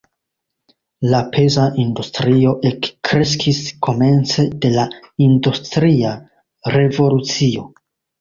La peza industrio ekkreskis komence de la industria revolucio.